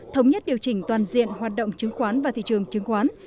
thống nhất điều chỉnh toàn diện hoạt động chứng khoán và thị trường chứng khoán